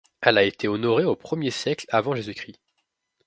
Elle a été honorée au premier siècle avant j.-c.